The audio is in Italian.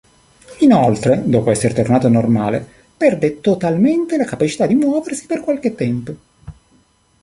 Inoltre, dopo essere tornato normale, perde totalmente la capacità di muoversi per qualche tempo.